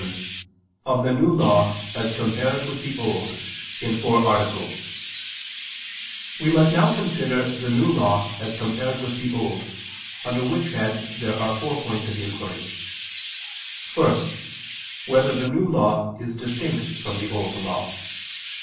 ________________________ QUESTION 107 OF THE NEW LAW AS COMPARED WITH THE OLD (In Four Articles) We must now consider the New Law as compared with the Old: under which head there are four points of inquiry: (1) Whether the New Law is distinct from the Old Law?